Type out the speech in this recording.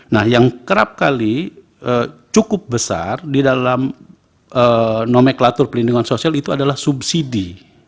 nah yang kerap kali cukup besar di dalam nomenklatur pelindungan sosial itu adalah subsidi